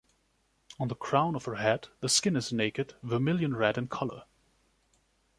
On the crown of her head, the skin is naked, vermilion red in color.